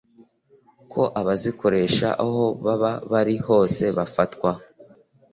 ko abazikoresha aho baba bari hose bafatwa